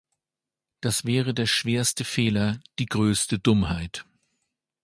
Das wäre der schwerste Fehler, die größte Dummheit.